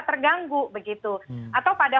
terganggu begitu atau pada